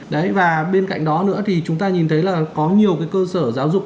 đấy và bên cạnh đó nữa thì chúng ta nhìn thấy là có nhiều cái cơ sở giáo dục